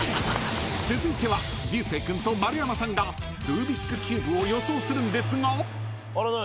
［続いては流星君と丸山さんがルービックキューブを予想するんですが］